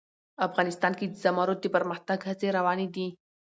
افغانستان کې د زمرد د پرمختګ هڅې روانې دي.